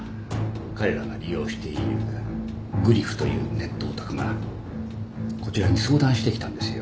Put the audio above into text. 彼らが利用しているグリフというネットオタクがこちらに相談してきたんですよ。